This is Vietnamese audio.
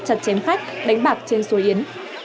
chặt chém khách đánh bạc trên suối yến